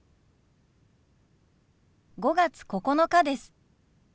５月９日です。